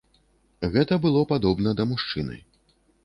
Гэта было падобна да мужчыны.